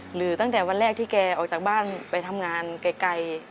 หรือตั้งแต่วันแรกที่แกออกจากบ้านไปทำงานไกล